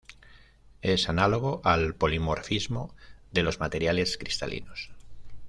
Es análogo al polimorfismo de los materiales cristalinos.